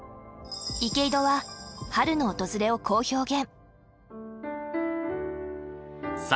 池井戸は春の訪れをこう表現。